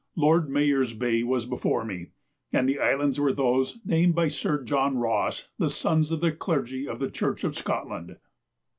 Lord Mayor's Bay was before me, and the islands were those named by Sir John Ross the Sons of the Clergy of the Church of Scotland.